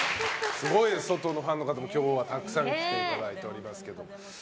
すごいです、外のファンの方も今日はたくさん来ていただいて。